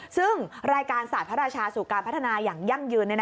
ซึ่งรายการศาสตร์พระราชาสู่การพัฒนาอย่างยั่งยืน